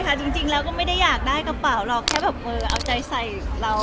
จ่ายใข้ันจริงแล้วไม่ได้อยากได้กระเป๋าเราแบบเฟื่อเกินใจใส่เรา